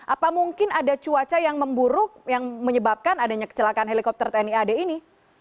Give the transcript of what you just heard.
apa mungkin ada cuaca yang memburuk yang menyebabkan adanya kecelakaan helikopter tni ad ini